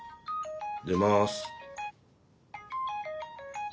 出ます。